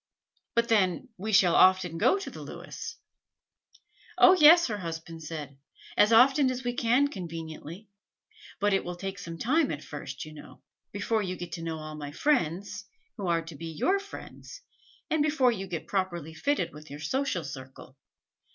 But then we shall often go to the Lewis?" "Oh, yes," her husband said, "as often as we can conveniently. But it will take some time at first, you know, before you get to know all my friends, who are to be your friends, and before you get properly fitted with your social circle.